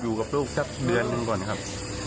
อยู่กับลูกสักเดือนหนึ่งก่อนครับ